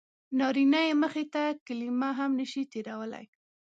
نارینه یې مخې ته کلمه هم نه شي تېرولی.